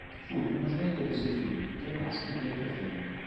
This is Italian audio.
Fu il primogenito di sei figli, tre maschi e tre femmine.